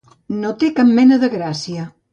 No té cap mena de gràcia.